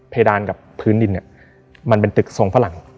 เพดานกับพื้นดินมันเป็นตึกทรงฝรั่ง